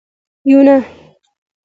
یون